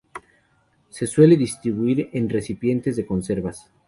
Se suele distribuir en recipientes de conservas.